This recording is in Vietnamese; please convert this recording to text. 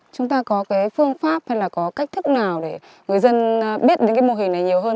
chúng ta có cái phương pháp hay là có cách thức nào để người dân biết đến cái mô hình này nhiều hơn